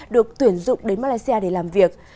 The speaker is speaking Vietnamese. được tuyển dụng đến malaysia để làm việc